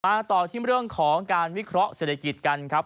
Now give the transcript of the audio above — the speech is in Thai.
ต่อที่เรื่องของการวิเคราะห์เศรษฐกิจกันครับ